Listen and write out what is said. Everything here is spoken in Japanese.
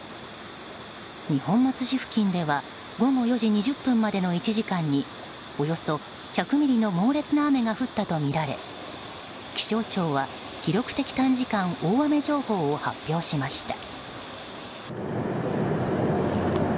二本松市付近では午後４時２０分までの１時間におよそ１００ミリの猛烈な雨が降ったとみられ気象庁は記録的短時間大雨情報を発表しました。